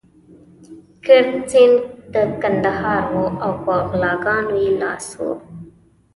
کرت سېنګ د کندهار وو او په غلاګانو يې لاس و.